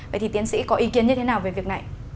vậy thì tiến sĩ có ý kiến như thế nào về việc này